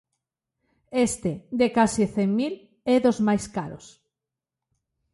Este, de case cen mil, é dos máis caros.